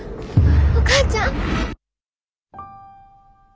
お母ちゃん。